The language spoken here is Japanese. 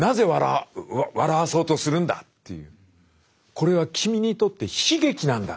「これは君にとって悲劇なんだ。